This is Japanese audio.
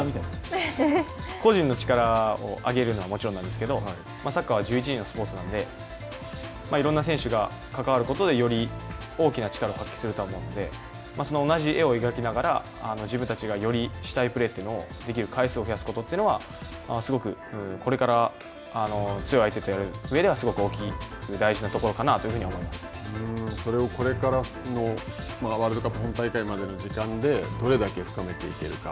個人の力を上げるのはもちろんなんですけれども、サッカーは１１人のスポーツなので、いろんな選手が関わることでより大きな力を発揮すると思うので、その同じ絵を描きながら、自分たちがよりしたいプレーというのを回数を増やすことというのは、すごくこれから強い相手とやるうえではすごく大きい、大事なところそれをこれからのワールドカップ本大会までの時間でどれだけ深めていけるか。